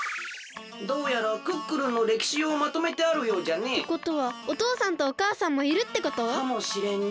どうやらクックルンのれきしをまとめてあるようじゃね。ってことはおとうさんとおかあさんもいるってこと？かもしれんね。